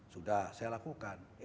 sudah saya lakukan